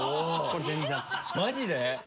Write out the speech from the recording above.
マジで？